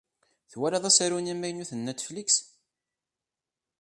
Twalaḍ asaru-nni amaynut n Netflix?